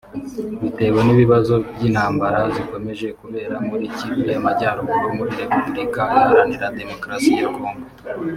bitewe n’ibibazo by’intambara zikomeje kubera muri Kivu y’Amajyaruguru muri Repubulika Iharanira Demokarasi ya Kongo